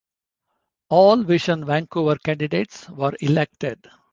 All Vision Vancouver candidates were elected.